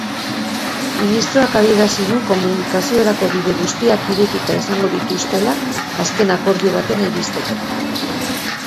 Ministroak adierazi du komunikaziorako bide guztiak irekita izango dituztela azken akordio batera iristeko.